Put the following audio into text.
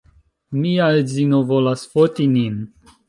Mia edzino volas foti nin